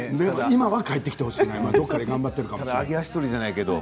今は帰ってきてほしくないどこかで頑張っているかもしれないけど。